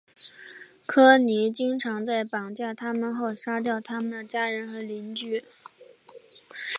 科尼经常在绑架他们后杀掉他们的家人和邻居。